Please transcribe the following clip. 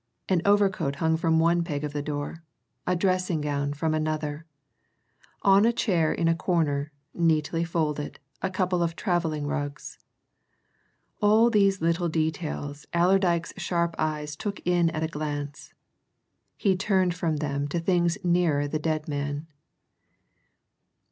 An overcoat hung from one peg of the door; a dressing gown from another; on a chair in a corner lay, neatly folded, a couple of travelling rugs. All these little details Allerdyke's sharp eyes took in at a glance; he turned from them to the things nearer the dead man.